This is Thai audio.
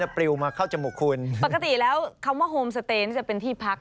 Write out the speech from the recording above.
ปกติแล้วคำว่าโฮมสเตย์นี่จะเป็นที่พัก